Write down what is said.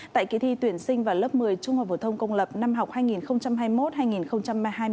tại kỳ thi tuyển sinh vào lớp một mươi trung học phổ thông công lập năm học hai nghìn hai mươi một hai nghìn hai mươi